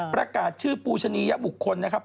ประกาศชื่อปูชนียบุคคลนะครับ